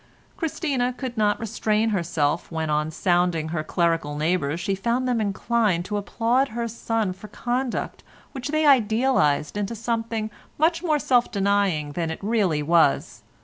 Christina could not restrain herself when on sounding her clerical neighbours she found them inclined to applaud her son for conduct which they idealised into something much more self denying than it really was.